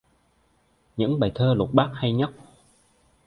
Những bài thơ lục bát hay nhất